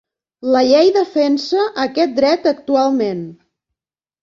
La llei defensa aquest dret actualment.